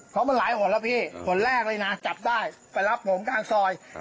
เพราะมันหลายหนแล้วพี่คนแรกเลยนะจับได้ไปรับผมกลางซอย